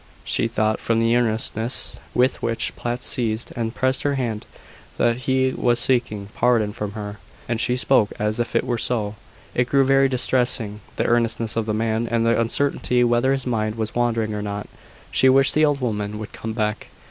She thought, from the earnestness with which Platt seized and pressed her hand, that he was seeking pardon from her; and she spoke as if it were so. It grew very distressing the earnestness of the man, and the uncertainty whether his mind was wandering or not. She wished the old woman would come back.